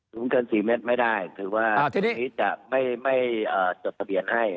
สูงเกิน๔เมตรไม่ได้ถือว่านี้จะไม่จดทะเบียนให้